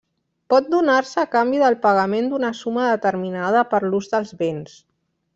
Pot donar-se a canvi del pagament d'una suma determinada per l'ús dels béns.